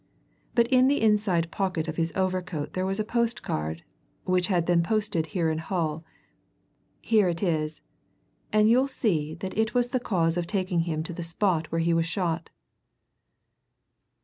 But in the inside pocket of his overcoat there was a postcard, which had been posted here in Hull. Here it is and you'll see that it was the cause of taking him to the spot where he was shot."